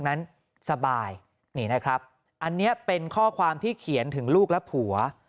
นั้นสบายนี่นะครับอันนี้เป็นข้อความที่เขียนถึงลูกและผัว